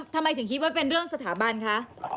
ทำไมถึงคิดว่าเป็นเรื่องสถาบันคะ